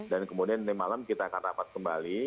dan kemudian nanti malam kita akan dapat kembali